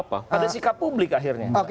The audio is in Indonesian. pada sikap publik akhirnya